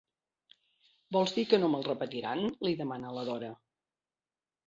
Vols dir que no me'l repetiran? —li demana la Dora.